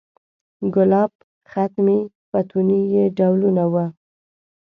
ګلاب، ختمي، فتوني یې ډولونه و.